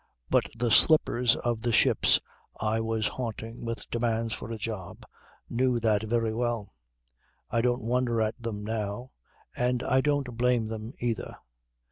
But the slippers of the ships I was haunting with demands for a job knew that very well. I don't wonder at them now, and I don't blame them either.